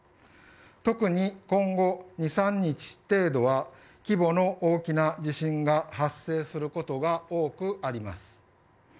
特に今後２、３日程度は規模の大きな地震が発生することが多くあります。